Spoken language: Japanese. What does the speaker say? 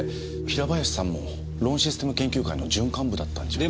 平林さんもローンシステム研究会の準幹部だったんじゃ。